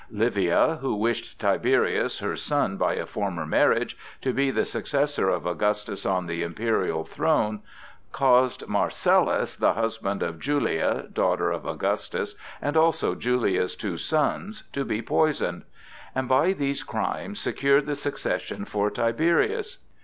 Livia, who wished Tiberius, her son by a former marriage, to be the successor of Augustus on the imperial throne, caused Marcellus (the CLAUDIUS husband of Julia, daughter of Augustus), and also Julia's two sons, to be poisoned; and by these crimes secured the succession for Tiberius.